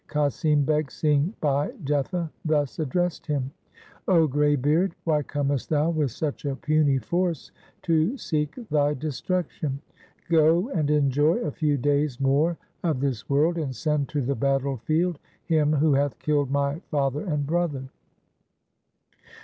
Qasim Beg, seeing Bhai Jetha, thus addressed him :' O grey beard, why comest thou with such a puny force to seek thy destruction ? Go and enjoy a few days more of this world, and send to the battle field him who hath killed my father and brother.'